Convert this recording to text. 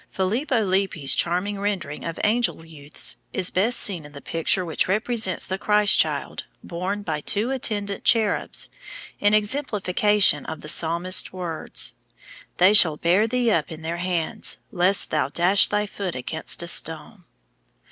Filippo Lippi's charming rendering of angel youths is best seen in the picture which represents the Christ child borne by two attendant cherubs in exemplification of the psalmist's words, "They shall bear thee up in their hands, lest thou dash thy foot against a stone."